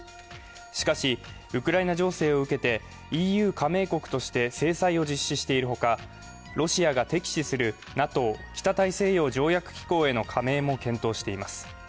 しかし、ウクライナ情勢を受けて、ＥＵ加盟国として制裁を実施しているほかロシアが敵視するＮＡＴＯ＝北大西洋条約機構への加盟も検討しています。